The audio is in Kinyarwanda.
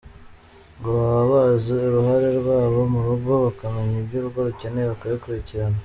Ngo baba bazi uruhare rwabo mu rugo bakamenya ibyo urugo rukeneye bakabikurikirana,.